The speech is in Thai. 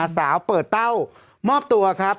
สาวเปิดเต้ามอบตัวครับ